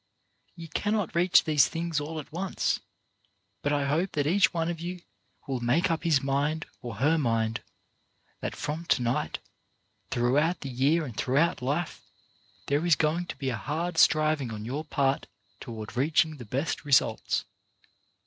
You cannot reach these things all at once, but I hope that each one of you will make up his mind or her mind that from to night, throughout the year and throughout life, there is going to be a hard striving on your part toward reaching the best results.